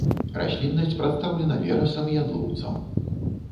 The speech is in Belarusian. Расліннасць прадстаўлена верасам і ядлоўцам.